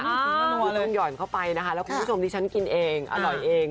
ตัวเริ่มหย่อนเข้าไปนะคะแล้วคุณผู้ชมที่ฉันกินเองอร่อยเอง